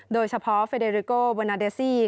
โดยเฉพาะเฟเดริโกเวอร์นาเดซี่